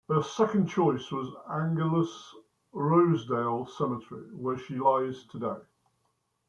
Her second choice was Angelus-Rosedale Cemetery, where she lies today.